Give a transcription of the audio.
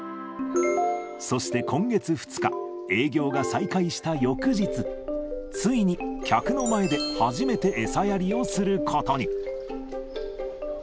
そして今月２日、営業が再開した翌日、ついに客の前で初めて餌やりをすることに。